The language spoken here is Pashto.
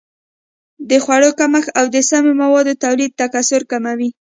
د خوړو کمښت او د سمي موادو تولید تکثر کموي.